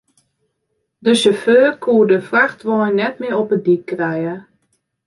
De sjauffeur koe de frachtwein net mear op de dyk krije.